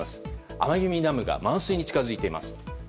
天君ダムが満水に近づいています。